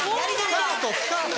スカートスカート！